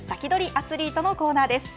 アツリートのコーナーです。